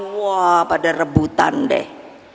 wah pada rebutan deh